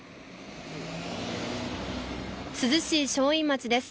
珠洲市正院町です。